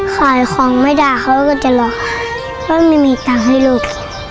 ขายของไม่ได้เขาก็จะหลอกว่าไม่มีตังค์ให้ลูก